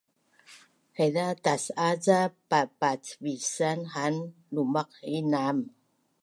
Haiza tas’a ca papacvisan an lumaq inam